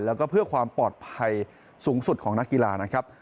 แล้วก็เพื่อความปลอดภัยสูงสุดของนักกีฬานะครับ